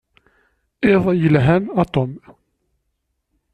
Iḍ yelhan a Tom.